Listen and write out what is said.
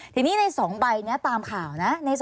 ทีนี้ใน๒ใบนี้ตามข่าวนะ